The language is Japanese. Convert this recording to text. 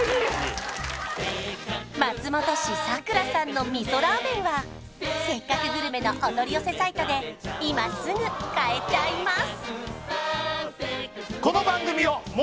松本市佐蔵さんの味噌らぅめんは「せっかくグルメ！！」のお取り寄せサイトで今すぐ買えちゃいます